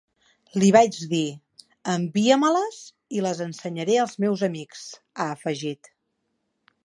Li vaig dir: envia-me-les i les ensenyaré als meus amics, ha afegit.